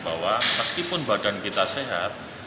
bahwa meskipun badan kita berjumlah sebelas orang